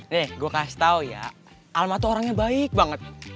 nih gue kasih tau ya almato orangnya baik banget